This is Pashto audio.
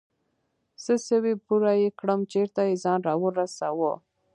څه سوې بوره يې كړم چېرته يې ځان راورسوه.